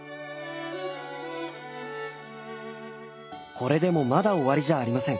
これでもまだ終わりじゃありません。